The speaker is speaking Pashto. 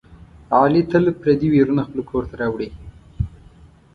علي تل پردي ویرونه خپل کورته راوړي.